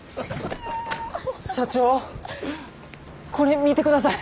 社長これ見てください。